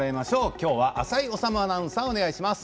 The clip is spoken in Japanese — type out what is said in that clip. きょうは浅井理アナウンサーお願いします。